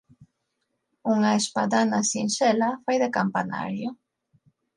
Unha espadana sinxela fai de campanario.